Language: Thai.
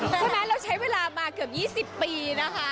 เพราะฉะนั้นเราใช้เวลามาเกือบ๒๐ปีนะคะ